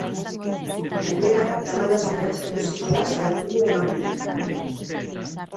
Gainera, labanaz mehatxatu ziola salatu du emakumeak.